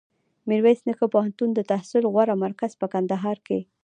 میرویس نیکه پوهنتون دتحصل غوره مرکز په کندهار کي